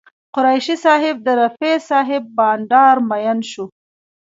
قریشي صاحب د رفیع صاحب بانډار مین شو.